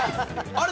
あれ？